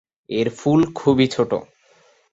এর ফুল খুবই ছোট।